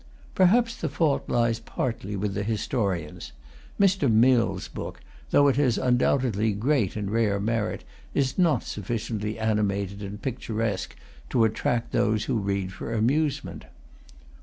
Perhaps the fault lies partly with the historians. Mr. Mill's book, though it has undoubtedly great and rare merit, is not sufficiently animated and picturesque to attract those who read for amusement.